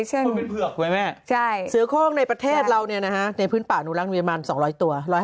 ใช่แต่อ่อนสวัสดีนะมันมีลาย